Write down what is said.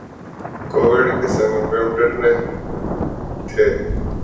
Covid کے symptoms تھے اج ہی ازاد ہوا ہوں اللہ کا شکر ہے اب